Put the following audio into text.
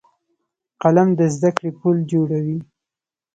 قلم د زده کړې پل جوړوي